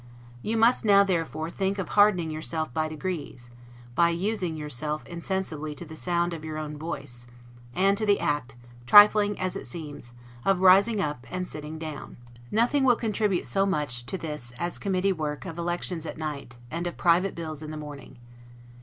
You must therefore now think of hardening yourself by degrees, by using yourself insensibly to the sound of your own voice, and to the act (trifling as it seems) of rising up and sitting down. Nothing will contribute so much to this as committee work of elections at night, and of private bills in the morning.